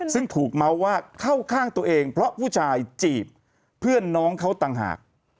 ซึ่งถูกเมาส์ว่าเข้าข้างตัวเองเพราะผู้ชายจีบเพื่อนน้องเขาต่างหาก